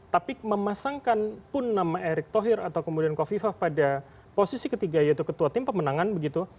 tapi memasangkan pun nama erick thohir atau kemudian kofifah pada posisi ketiga yaitu ketua tim pemenangan begitu